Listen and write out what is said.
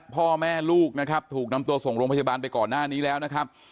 พ่อแม่ลูกนะครับถูกนำตัวส่งโรงพยาบาลไปก่อนหน้านี้แล้วนะครับ